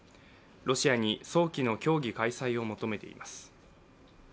ロシアに早期の協議開催を求めています。